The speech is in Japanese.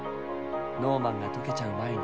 ノーマンが解けちゃう前に！